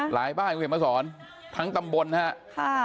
หลายบ้านคุณเห็นไหมสอนทั้งตำบลนะฮะ